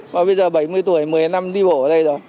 và bây giờ bảy mươi tuổi một mươi năm đi bộ ở đây rồi